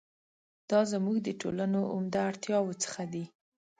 دا زموږ د ټولنو عمده اړتیاوو څخه دي.